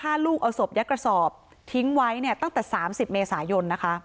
พ่อฆ่าลูกเอาศพยัดกระสอบทิ้งไว้ตั้งแต่๓๐เมษายนนะคะ